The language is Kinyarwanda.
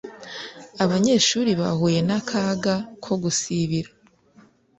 Abanyeshuri bahuye ntakaga ko gusibira